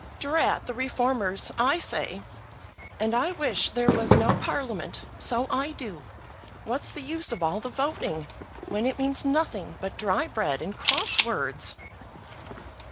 "Drat the reformers, I say. And I wish there was no Parliament; so I do. What's the use of all the voting, when it means nothing but dry bread and cross words?"